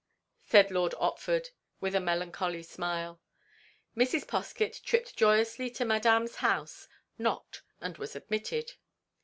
said Lord Otford, with a melancholy smile. Mrs. Poskett tripped joyously to Madame's house; knocked, and was admitted.